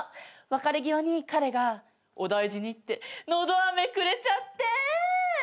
別れ際に彼が「お大事に」ってのどあめくれちゃって。